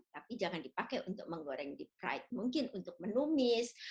tapi jangan dipakai untuk menggoreng deepry mungkin untuk menumis